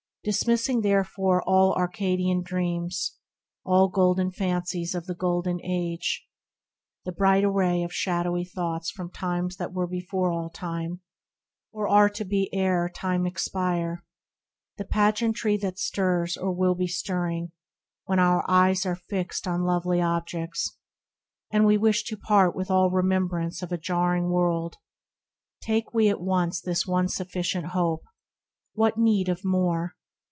Dismissing therefore all Arcadian dreams, All golden fancies of the golden age, The bright array of shadowy thoughts from times That were before all time, or are to be Ere time expire, the pageantry that stirs Or will be stirring, when our eyes are fixed 42 THE RECLUSE On lovely objects, and we wish to part With all remembrance of a jarring world, — Take we at once this one sufficient hope, What need of more